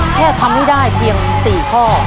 แค่ทำให้ได้เพียง๔ข้อ